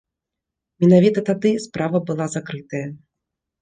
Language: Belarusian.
Менавіта тады справа была закрытая.